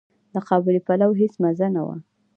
د قابلي پلو هيڅ مزه نه وه.